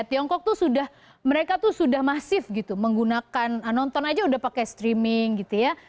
tiongkok tuh sudah mereka tuh sudah masif gitu menggunakan nonton aja udah pakai streaming gitu ya